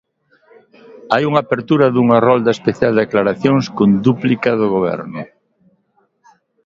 Hai unha apertura dunha rolda especial de aclaracións con dúplica do Goberno.